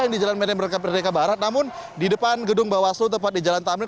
yang di jalan medan merdeka barat namun di depan gedung bawah seluruh tepat di jalan tamir